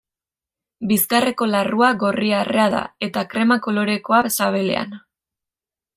Bizkarreko larrua gorri-arrea da eta krema kolorekoa sabelean.